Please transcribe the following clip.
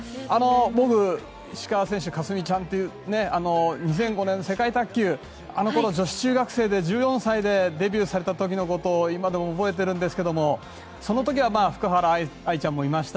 僕、石川選手、佳純ちゃんって２００５年の世界卓球あの頃女子中学生でデビューされた時のことを今でも覚えているんですがその時は福原愛ちゃんもいました。